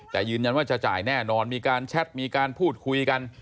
แต่ยืนยันว่าจะจ่ายแน่นอนมีการแชทมีการพูดคุยกัน